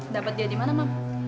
dapat dia di mana map